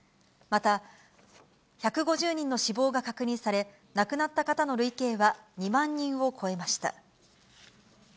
また１５０人の死亡が確認され、亡くなった方の累計は２万人を超えました。